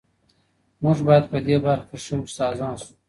موږ باید په دې برخه کي ښه استادان سو.